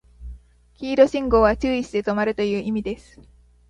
黄色信号は注意して止まるという意味です